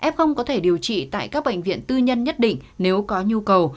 f có thể điều trị tại các bệnh viện tư nhân nhất định nếu có nhu cầu